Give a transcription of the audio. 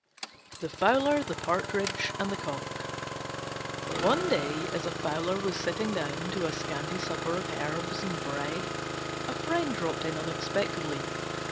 THE FOWLER, THE PARTRIDGE, AND THE COCK One day, as a Fowler was sitting down to a scanty supper of herbs and bread, a friend dropped in unexpectedly.